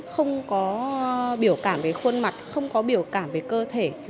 không có biểu cảm về khuôn mặt không có biểu cảm về cơ thể